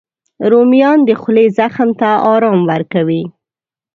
رومیان د خولې زخم ته ارام ورکوي